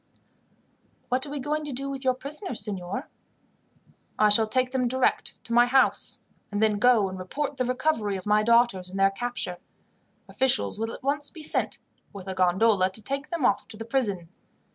"What are you going to do with your prisoners, signor?" "I shall take them direct to my house, and then go and report the recovery of my daughters, and their capture. Officials will at once be sent, with a gondola, to take them off to the prison.